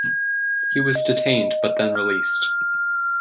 He was detained, but then released.